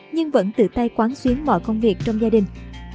nhưng vẫn tự tay quán xuyến mọi công việc trong gia đình